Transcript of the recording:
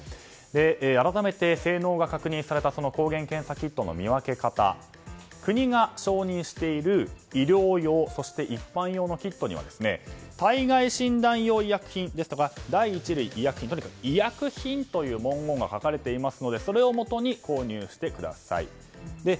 改めて、性能が確認された抗原検査キットの見分け方ですが国が承認している医療用そして一般用のキットには体外診断用医薬品ですとか第一類医薬品など医薬品という文言が書かれていますのでそれをもとに購入してください。